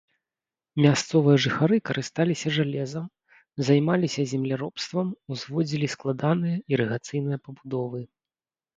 Мясцовыя жыхары карысталіся жалезам, займаліся земляробствам, узводзілі складаныя ірыгацыйныя пабудовы.